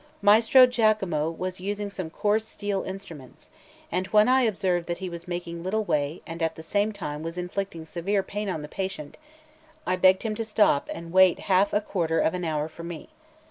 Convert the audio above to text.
Maestro Giacomo was using some coarse steel instruments; and when I observed that he was making little way and at the same time was inflicting severe pain on the patient, I begged him to stop and wait half a quarter of an hour for me.